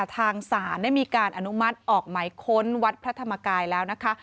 ทางศาลได้มีการอนุมัติออกหมายค้นวัดพระธรรมกายแล้วนะคะ